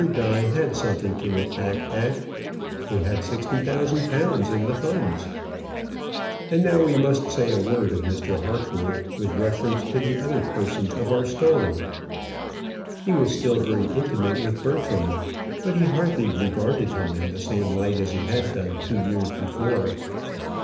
Die had something to look back at. He had sixty thousand pounds in the funds. And now we must say a word of Mr. Harcourt, with reference to the other persons of our story. He was still very intimate with Bertram, but he hardly regarded him in the same light as he had done two years before.